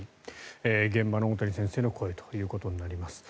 現場の大谷先生の声ということになります。